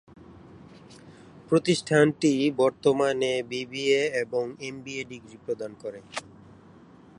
প্রতিষ্ঠানটি বর্তমানে বিবিএ এবং এমবিএ ডিগ্রি প্রদান করে।